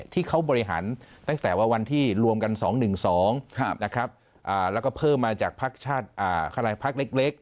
ที่เขาบริหารตั้งแต่ว่าวันที่รวมกัน๒๑๒แล้วก็เพิ่มมาจากพักชาติพักเล็ก